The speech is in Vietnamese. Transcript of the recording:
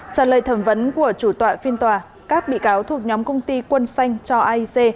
trả lời thẩm vấn của chủ tọa phiên tòa các bị cáo thuộc nhóm công ty quân xanh cho aic